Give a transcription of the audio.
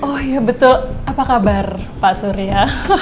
oh iya betul apa kabar pak surya